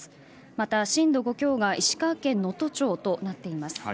また震度５強が石川県能登町となっています。